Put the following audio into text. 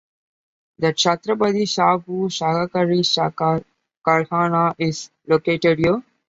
The Chatrapati Shahu Sahakari Sakar Karkhana is located here.